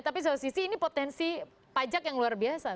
tapi satu sisi ini potensi pajak yang luar biasa